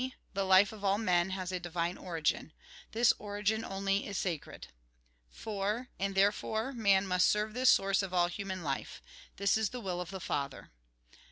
The life of all men has a divine Origin. This Origin only is sacred. 4. And therefore, man must serve this Source of all human life. This is the will of the Father.